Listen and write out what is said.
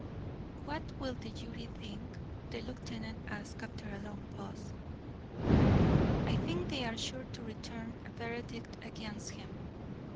"What will the jury think?" the lieutenant asked after a long pause. "I think they are sure to return a verdict against him.